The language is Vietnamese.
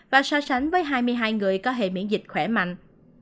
và so sánh với hai mươi hai người có hệ miễn dịch khỏe mạnh